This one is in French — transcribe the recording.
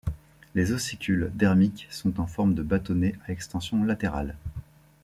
Les ossicules dermiques sont en forme de batonnets à extensions latérales.